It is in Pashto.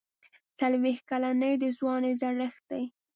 څلوېښت کلني د ځوانۍ زړښت دی.